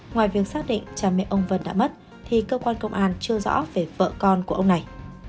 ngoài việc xác định cha mẹ ông vân đã mất thì cơ quan công an chưa rõ về vợ con của ông này